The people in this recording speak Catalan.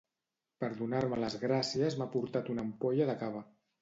Per donar-me les gràcies m'ha portat una ampolla de cava